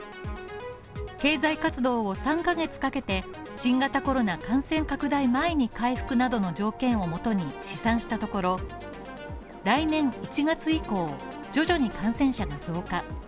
経済活動を３ヶ月かけて新型コロナ感染拡大前に回復などの条件をもとに試算したところ、来年１月以降徐々に感染者が増加。